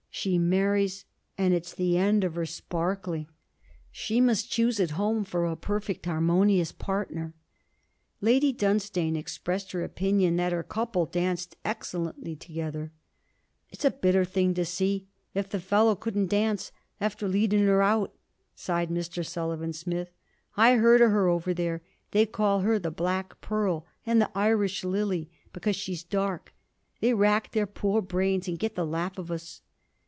She marries, and it's the end of her sparkling. She must choose at home for a perfect harmonious partner.' Lady Dunstane expressed her opinion that her couple danced excellently together. 'It'd be a bitter thing to see, if the fellow couldn't dance, after leading her out!' sighed Mr. Sullivan Smith. 'I heard of her over there. They, call her the Black Pearl, and the Irish Lily because she's dark. They rack their poor brains to get the laugh of us.'